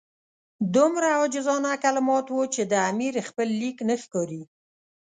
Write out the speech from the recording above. دومره عاجزانه کلمات وو چې د امیر خپل لیک نه ښکاري.